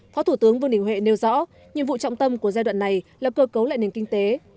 phó thủ tướng vương đình huệ nêu rõ nhiệm vụ trọng tâm của giai đoạn này là cơ cấu lại nền kinh tế